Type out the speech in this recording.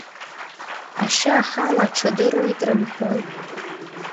Ашьа ахала аҽадыруеит рымҳәои!